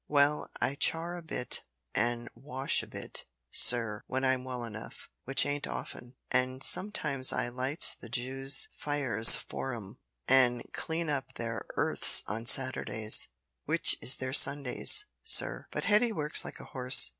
"Well, I char a bit an' wash a bit, sir, when I'm well enough which ain't often. An' sometimes I lights the Jews' fires for 'em, an' clean up their 'earths on Saturdays w'ich is their Sundays, sir. But Hetty works like a horse.